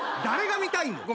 誰が見たいん？